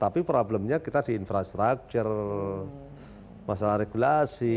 tapi problemnya kita di infrastruktur masalah regulasi